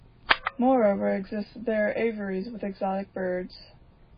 Moreover, exists there aviaries with exotic birds.